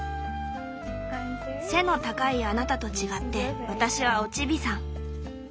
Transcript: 「背の高いあなたと違って私はおチビさん。